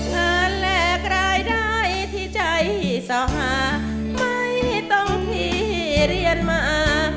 แลกรายได้ที่ใจสหาไม่ต้องพี่เรียนมา